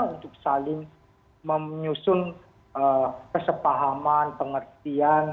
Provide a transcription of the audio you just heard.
untuk saling menyusun kesepahaman pengertian